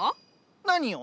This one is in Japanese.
何を？